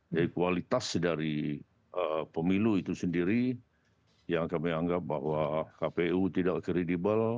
jadi kualitas dari pemilu itu sendiri yang kami anggap bahwa kpu tidak kredibel